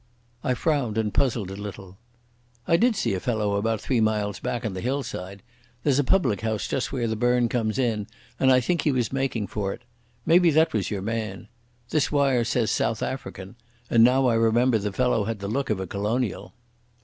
I frowned and puzzled a little. "I did see a fellow about three miles back on the hillside. There's a public house just where the burn comes in, and I think he was making for it. Maybe that was your man. This wire says 'South African'; and now I remember the fellow had the look of a colonial."